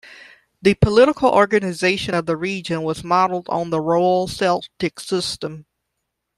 The political organization of the region was modeled on the royal Celtic system.